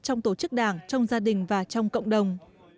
trong tổ chức đảng trong gia đình và trong cộng đồng